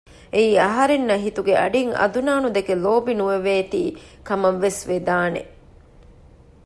އެއީ އަހަރެންނަށް ހިތުގެ އަޑީން އަދުނާނު ދެކެ ލޯބި ނުވެވޭތީ ކަމަށް ވެސް ވެދާނެ